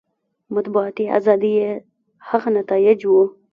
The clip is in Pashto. مطبوعاتي ازادي یې هغه نتایج وو.